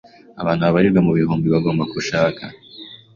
Abantu babarirwa mu bihumbi bagomba gushaka